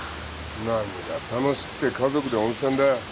何が楽しくて家族で温泉だ。